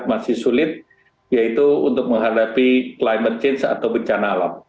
masih sulit yaitu untuk menghadapi climate change atau bencana alam